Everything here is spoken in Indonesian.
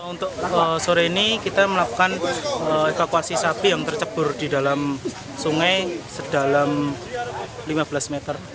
untuk sore ini kita melakukan evakuasi sapi yang tercebur di dalam sungai sedalam lima belas meter